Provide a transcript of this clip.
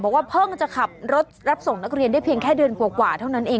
บอกว่าเพิ่งจะขับรถรับส่งนักเรียนได้เพียงแค่เดือนกว่าเท่านั้นเอง